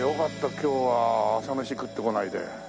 今日は朝飯食ってこないで。